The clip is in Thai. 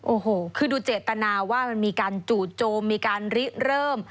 โอ้โหคือดูเจตนาว่ามันมีการจู่โจมมีการริเริ่ม